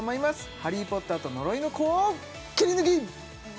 「ハリー・ポッターと呪いの子」をキリヌキッ！